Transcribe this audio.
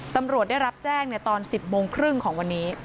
ตำรวจได้รับแจ้งตอน๑๐โมงครึ่งของวันนี้